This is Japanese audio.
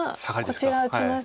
こちら打ちました。